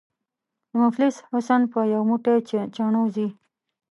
د مفلس حسن په یو موټی چڼو ځي.